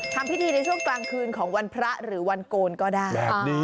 ทำพิธีในช่วงกลางคืนของวันพระหรือวันโกนก็ได้